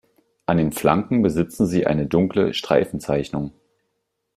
An den Flanken besitzen sie eine dunkle Streifenzeichnung.